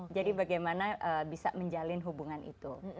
jadi bagaimana bisa menjalin hubungan itu